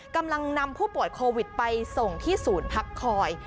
กำลังนำผู้ป่วยโควิดไปส่งที่ศูนย์พักคอย